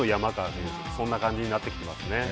そんな感じになってきますね。